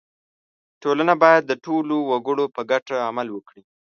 • ټولنه باید د ټولو وګړو په ګټه عمل وکړي.